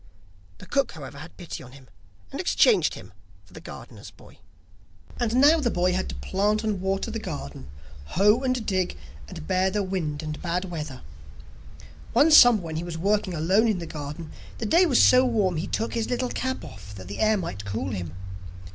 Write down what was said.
The cook, however, had pity on him, and exchanged him for the gardener's boy. And now the boy had to plant and water the garden, hoe and dig, and bear the wind and bad weather. Once in summer when he was working alone in the garden, the day was so warm he took his little cap off that the air might cool him.